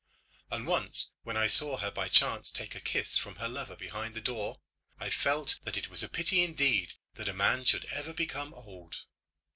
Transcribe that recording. And once when I saw her by chance take a kiss from her lover behind the door, I felt that it was a pity indeed that a man should ever become old.